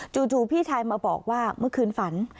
พี่ชายมาบอกว่าเมื่อคืนฝัน